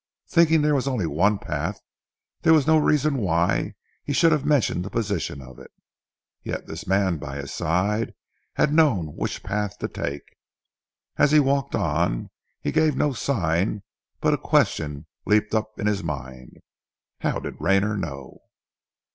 Thinking there was only one path, there was no reason why he should have mentioned the position of it. Yet the man by his side had known which path to take! As he walked on, he gave no sign, but a question leaped up in his mind. "How did Rayner know?"